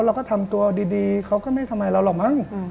เราก็ทำตัวดีเขาก็ไม่ทำอะไรเราหรอกมั้ง